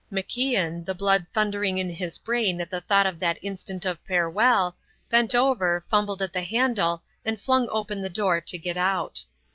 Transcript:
MacIan, the blood thundering in his brain at the thought of that instant of farewell, bent over, fumbled at the handle and flung open the door to get out.